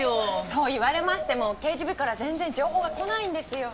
そう言われましても刑事部から全然情報が来ないんですよ。